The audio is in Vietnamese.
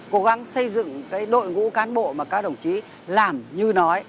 cố gắng xây dựng cái đội ngũ cán bộ mà các đồng chí làm như nói